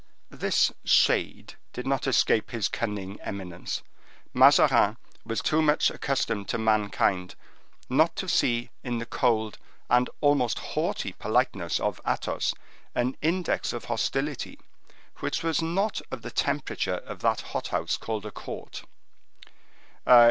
This shade did not escape his cunning eminence. Mazarin was too much accustomed to mankind, not to see in the cold and almost haughty politeness of Athos, an index of hostility, which was not of the temperature of that hot house called a court.